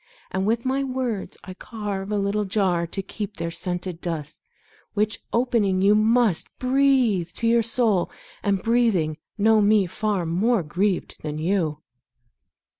And with my words I carve a little jar To keep their scented dust, Which, opening, you must Breathe to your soul, and, breathing, know me far More grieved than you.